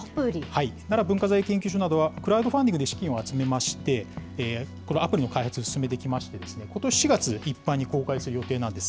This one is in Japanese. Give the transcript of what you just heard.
奈良文化財研究所などは、クラウドファンディングで資金を集めまして、アプリの開発を進めてきまして、ことし４月、一般に公開する予定なんです。